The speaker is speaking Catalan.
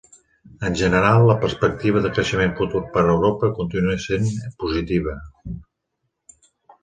En general, la perspectiva de creixement futur per a Europa continua essent positiva.